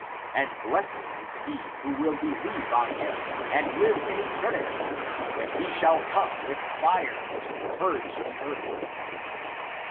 And blessed is he who will believe on him and live in eternity when he shall come with fire to purge the earth."